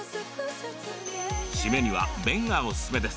締めには麺がおすすめです。